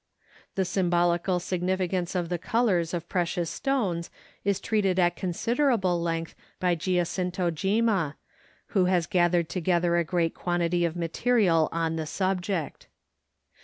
The symbolical significance of the colors of precious stones is treated at considerable length by Giacinto Gimma, who has gathered together a great quantity of material on the subject.